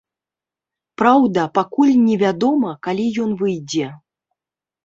Праўда, пакуль не вядома, калі ён выйдзе.